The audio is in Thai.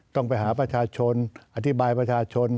ต้องไปหาประชาชนอธิบายประชาชน